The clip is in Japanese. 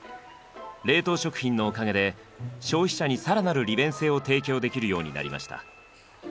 冷凍食品のおかげで消費者に更なる利便性を提供できるようになりました。